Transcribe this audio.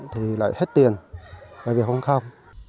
thì lại hết tiền bởi vì không khám